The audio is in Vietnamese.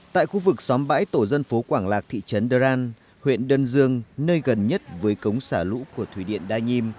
tại khu vực xóm bãi tổ dân phố quảng lạc thị trấn đern huyện đơn dương nơi gần nhất với cống xả lũ của thủy điện đa nhiêm